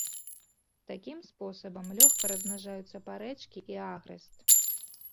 Такім спосабам лёгка размнажаюцца парэчкі і агрэст.